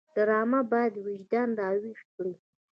ډرامه باید وجدانونه راویښ کړي